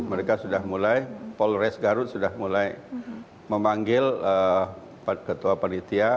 mereka sudah mulai polres garut sudah mulai memanggil ketua panitia